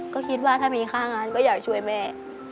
ก็คิดว่าถ้ามีค่างานก็อยากช่วยแม่